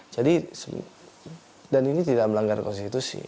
jadi dan ini tidak melanggar konstitusi